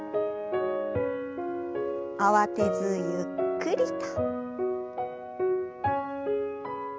慌てずゆっくりと。